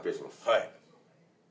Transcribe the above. はい。